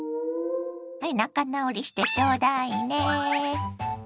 はい仲直りしてちょうだいね。